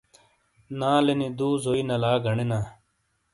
نالینی دُو زوئی نلا گنینا۔